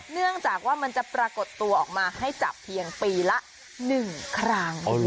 เนื่องจากว่ามันจะปรากฏตัวออกมาให้จับเพียงปีละ๑ครั้ง